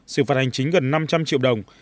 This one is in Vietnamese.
xử phạt hành chính gần năm trăm linh triệu đồng